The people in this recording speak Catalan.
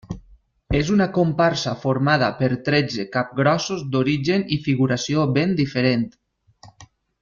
És una comparsa formada per tretze capgrossos d’origen i figuració ben diferent.